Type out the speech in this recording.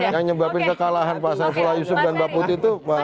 yang nyebabin kekalahan pak saifullah yusuf dan mbak putih itu